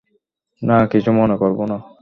না, কিছু মনে করবো না।